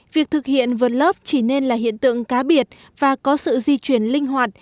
việc thực hiện vượt lớp chỉ nên là hiện tượng cá biệt và có sự di chuyển linh hoạt